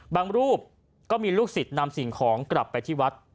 รูปก็มีลูกศิษย์นำสิ่งของกลับไปที่วัด